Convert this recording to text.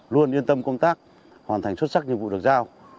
luôn yên tâm công tác hoàn thành xuất sắc nhiệm vụ được giao